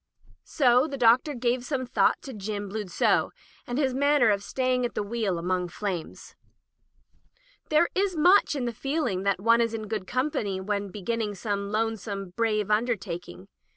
So the Doctor gave some thought to Jim Bludsoe, and his manner of staying at the wheel among flames. There is much in the feeling that one is in good company when beginning some lonesome, brave undertak ing.